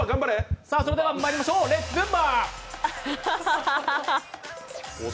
それではまいりましょう、レッツ・ズンバ！